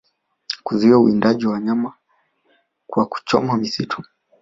kuzuia uwindaji wa wanyama kwa kuchoma misitu